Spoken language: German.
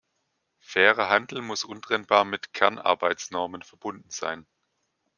Fairer Handel muss untrennbar mit Kernarbeitsnormen verbunden sein.